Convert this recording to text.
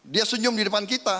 dia senyum di depan kita